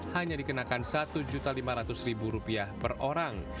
hanya dikenakan satu lima ratus rupiah per orang